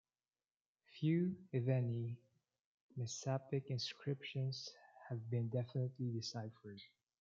Few, if any, Messapic inscriptions have been definitely deciphered.